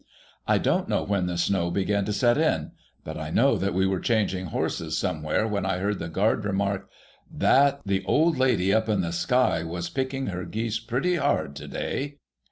I don't know when the snow began to set in ; but I know that we were changing horses somewhere when I heard the guard remark, ' That the old lady up in the sky was picking her geese pretty hard to day.'